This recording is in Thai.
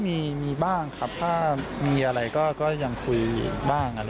มีบ้างครับถ้ามีอะไรก็ยังคุยบ้าง